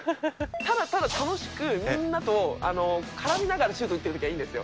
ただただ楽しく、みんなと絡みながらシュートを打っているときはいいんですよ。